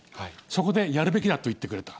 そこでやるべきだと言ってくれた。